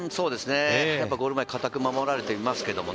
ゴール前、堅く守られていますけどね。